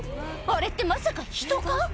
あれってまさか人か？